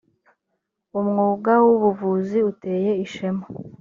umwuga w ubuvuzi uteye ishema.